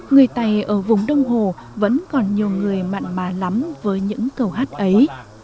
người tày ở vùng đông hồ vẫn còn nhiều người mặn mà lắm với những câu hát ấy